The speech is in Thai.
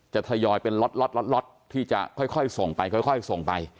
ทยอยเป็นล็อตที่จะค่อยส่งไปค่อยส่งไป